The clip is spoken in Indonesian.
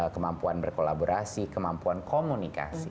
kemampuan berkolaborasi kemampuan komunikasi